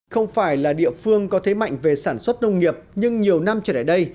không phải là địa phương có thế mạnh về sản xuất nông nghiệp nhưng nhiều năm trở lại đây